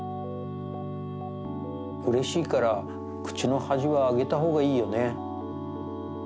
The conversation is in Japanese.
うれしいからくちのはじはあげたほうがいいよね。